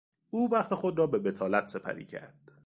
او وقت خود را به بطالت سپری کرد.